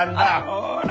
ほら！